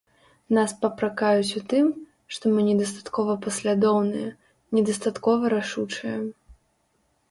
Нас папракаюць у тым, што мы недастаткова паслядоўныя, недастаткова рашучыя.